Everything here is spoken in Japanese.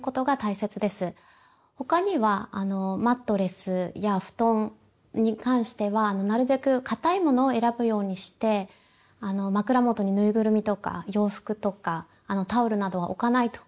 他にはマットレスや布団に関してはなるべく硬いものを選ぶようにして枕元にぬいぐるみとか洋服とかタオルなどは置かないと。